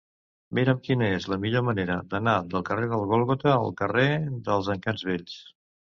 Mira'm quina és la millor manera d'anar del carrer del Gòlgota al carrer dels Encants Vells.